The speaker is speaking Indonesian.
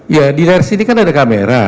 ya di daerah sini kan ada kamera